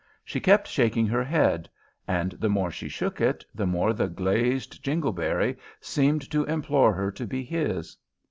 She kept shaking her head, and the more she shook it, the more the glazed Jingleberry seemed to implore her to be his.